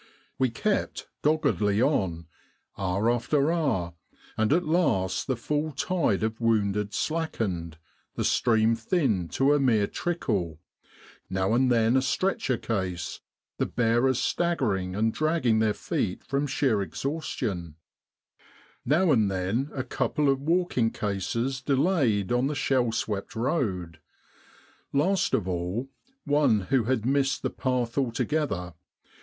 We kept doggedly on, hour after hour, and at last the full tide of wounded slackened, the stream thinned to a mere trickle now and then a stretcher case, the bearers staggering and dragging their feet from sheer exhaustion ; now and then a couple of walking cases delayed on the shell swept road ; last of all, one who had missed the path altogether.